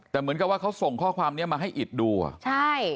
แต่เหมือนกับว่าเขาส่งข้อความนี้มาให้อิดดูอ่ะใช่